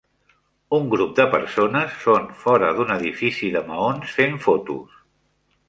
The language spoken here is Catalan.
Un grup de persones són fora d'un edifici de maons fent fotos.